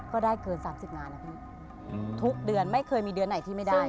ก็ได้เกิน๓๐งานนะพี่ทุกเดือนไม่เคยมีเดือนไหนที่ไม่ได้